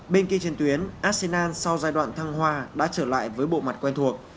bên kia trên tuyến arsenal sau giai đoạn thăng hoa đã trở lại với bộ mặt quen thuộc